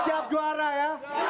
siap juara ya